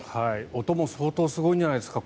音も相当すごいんじゃないですか？